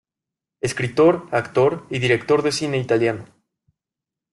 Escritor, actor y director de cine italiano.